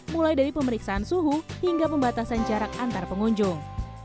mulai dari pemeriksaan suhu hingga pembatasan jarak antar pengunjung